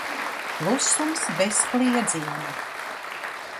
Klusums bez kliedziena.